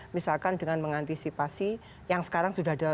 misalkan dengan mengantisipasi